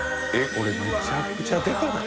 これめちゃくちゃでかない？